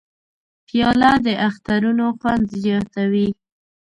پیاله د اخترونو خوند زیاتوي.